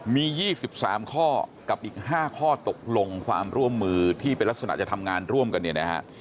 มี๒๓ข้อกับอีก๕ข้อตกลงความร่วมมือที่เป็นลักษณะจะทำงานร่วมกันเนี่ยนะฮะ